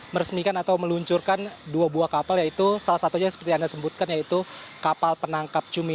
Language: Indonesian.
meresmikan atau meluncurkan dua buah kapal yaitu salah satunya seperti anda sebutkan yaitu kapal penangkap cumi